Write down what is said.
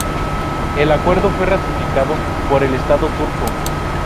El acuerdo fue ratificado por el estado turco.